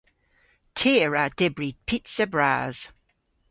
Ty a wra dybri pizza bras.